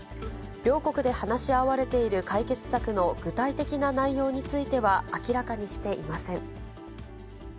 両国で話し合われている解決策の具体的な内容については明らかにしていません。